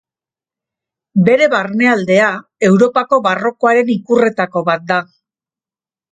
Bere barnealdea Europako barrokoaren ikurretako bat da.